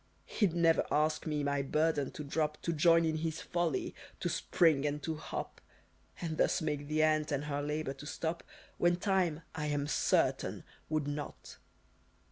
He'd never ask me my burden to drop, To join in his folly to spring, and to hop; And thus make the ant and her labor to stop, When time, I am certain, would not.